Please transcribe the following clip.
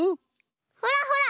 ほらほら！